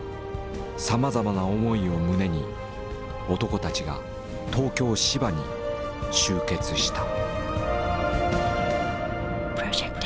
さまざまな思いを胸に男たちが東京芝に集結した。